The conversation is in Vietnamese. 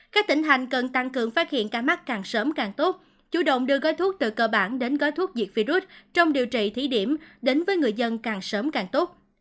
các tỉnh thành cần tăng cường phát hiện ca mắc càng sớm càng tốt chủ động đưa gói thuốc từ cơ bản đến gói thuốc diệt virus trong điều trị thí điểm đến với người dân càng sớm càng tốt